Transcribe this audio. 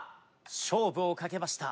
勝負をかけました。